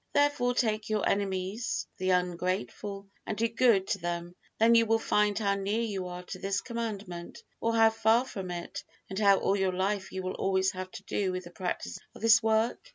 Therefore take your enemies, the ungrateful, and do good to them; then you will find how near you are to this Commandment or how far from it, and how all your life you will always have to do with the practice of this work.